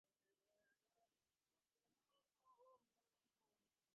এখানে প্রক্রিয়াজাত হওয়া হলুদ চলে যায় দেশের বিভিন্ন হাট ও বাজারে।